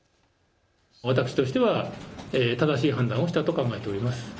私としては正しい判断をしたと考えております。